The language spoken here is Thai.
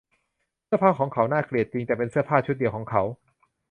เสื้อผ้าของเขาน่าเกลียดจริง แต่เป็นเสื้อผ้าชุดเดียวของเขา